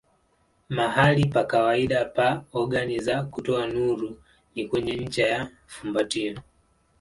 Mahali pa kawaida pa ogani za kutoa nuru ni kwenye ncha ya fumbatio.